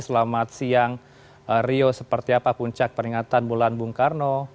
selamat siang rio seperti apa puncak peringatan bulan bung karno